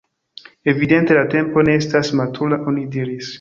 “Evidente la tempo ne estas matura,” oni diris.